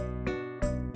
saya bertoba beda